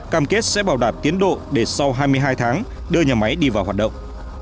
cam kết sẽ bảo đảm tiến độ để sau hai mươi hai tháng đưa nhà máy đi vào hoạt động